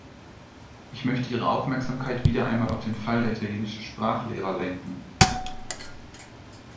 Ich möchte Ihre Aufmerksamkeit wieder einmal auf den Fall der italienischen Sprachlehrer lenken.